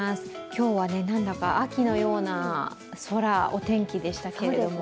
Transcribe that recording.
今日は何だか秋のような空、お天気でしたけれども。